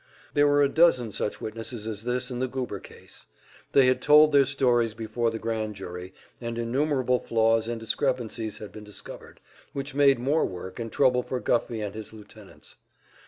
There were a dozen such witnesses as this in the Goober case. They had told their stories before the grand jury, and innumerable flaws and discrepancies had been discovered, which made more work and trouble for Guffey and his lieutenants.